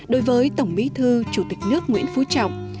đối với tổng bí thư chủ tịch nước nguyễn phú trọng